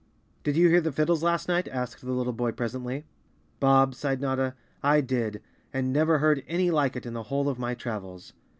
"Did you hear the fiddles last night?" asked the lit¬ tle boy presently. "Bob," sighed Notta, "I did, and never heard any like it in the whole of my travels."